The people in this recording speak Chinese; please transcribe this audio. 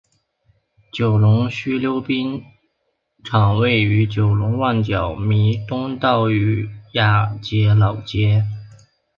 九龙溜冰场位于九龙旺角弥敦道与亚皆老街。